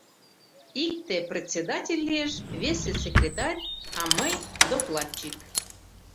Икте председатель лиеш, весе секретарь, а мый докладчик.